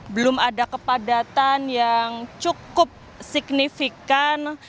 belum ada kepadatan yang cukup signifikan